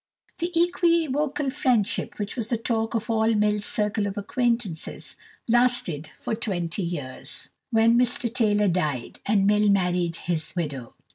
The equivocal friendship, which was the talk of all Mill's circle of acquaintances, lasted for twenty years, when Mr Taylor died, and Mill married his widow.